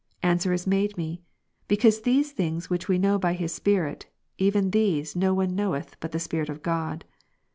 Answer is made me ;" because the things which we know by His Spirit, even these no one knoweth, but the Spirit of God.